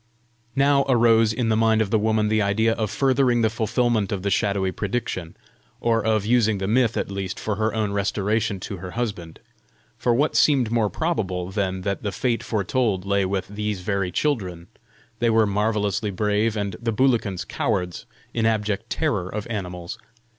Now arose in the mind of the woman the idea of furthering the fulfilment of the shadowy prediction, or of using the myth at least for her own restoration to her husband. For what seemed more probable than that the fate foretold lay with these very children? They were marvellously brave, and the Bulikans cowards, in abject terror of animals!